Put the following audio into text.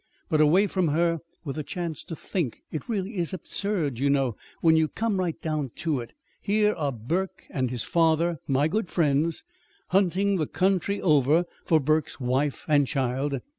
But away from her, with a chance to think, it really is absurd, you know, when you come right down to it. Here are Burke and his father, my good friends, hunting the country over for Burke's wife and child.